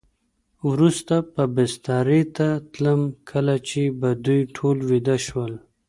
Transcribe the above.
وروسته به بسترې ته تلم، کله چې به دوی ټول ویده شول.